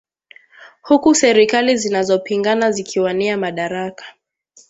huku serikali zinazopingana zikiwania madaraka